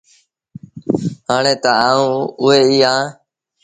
آڻو تا آئوٚنٚ اوٚ ئيٚ اهآنٚ۔